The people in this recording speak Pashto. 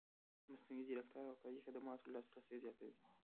مصنوعي ځیرکتیا د روغتیايي خدماتو لاسرسی زیاتوي.